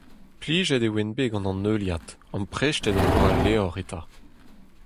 Plijet e oan bet gant an heuliad, amprestet em boa al levr eta.